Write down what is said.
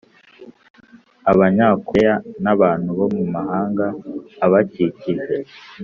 abanyakoreya n’abantu bo mu mahanga abakikije